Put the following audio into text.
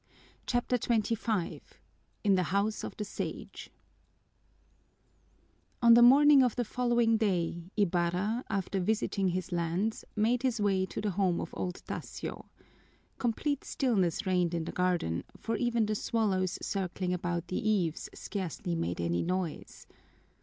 CHAPTER XXV In the House of the Sage On the morning of the following day, Ibarra, after visiting his lands, made his way to the home of old Tasio. Complete stillness reigned in the garden, for even the swallows circling about the eaves scarcely made any noise.